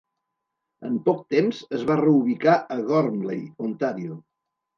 En poc temps es va reubicar a Gormley, Ontario.